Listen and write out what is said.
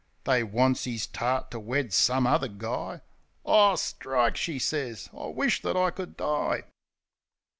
They wants 'is tart to wed some other guy. "Ah, strike!" she sez. "I wish that I could die!"